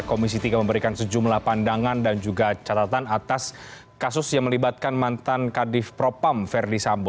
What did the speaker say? komisi tiga memberikan sejumlah pandangan dan juga catatan atas kasus yang melibatkan mantan kadif propam verdi sambo